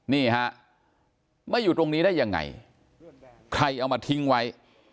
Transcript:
นี่ฮะมาอยู่ตรงนี้ได้ยังไงใครเอามาทิ้งไว้